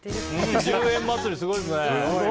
１０円祭り、すごいですね。